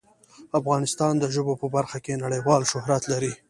افغانستان د ژبو په برخه کې نړیوال شهرت لري.